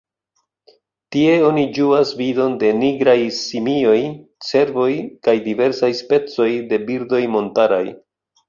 Tie oni ĝuas vidon de nigraj simioj, cervoj kaj diversaj specoj de birdoj montaraj.